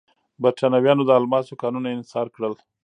برېټانویانو د الماسو کانونه انحصار کړل.